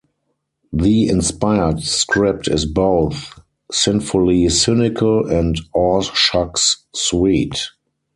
The inspired script is both sinfully cynical and aw-shucks sweet.